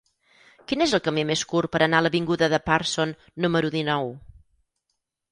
Quin és el camí més curt per anar a l'avinguda de Pearson número dinou?